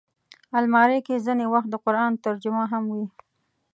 الماري کې ځینې وخت د قرآن ترجمه هم وي